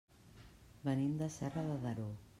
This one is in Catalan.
Venim de Serra de Daró.